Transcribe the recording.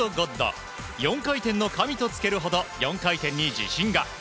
４回転の神とつけるほど４回転に自信が。